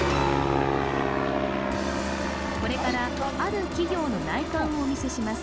これからある企業の内観をお見せします